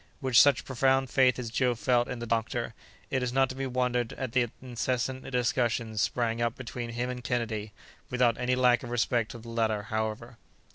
With such profound faith as Joe felt in the doctor, it is not to be wondered at that incessant discussions sprang up between him and Kennedy, without any lack of respect to the latter, however.